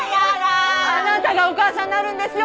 あなたがお母さんになるんですよ